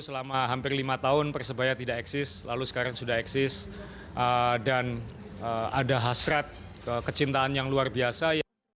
selama hampir lima tahun persebaya tidak eksis lalu sekarang sudah eksis dan ada hasrat kecintaan yang luar biasa